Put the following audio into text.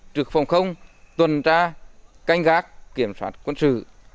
trực phòng không tuần tra canh gác kiểm soát quân sự